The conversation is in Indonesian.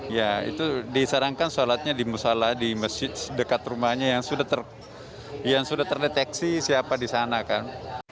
ya itu disarankan sholatnya di musola di masjid dekat rumahnya yang sudah terdeteksi siapa di sana kan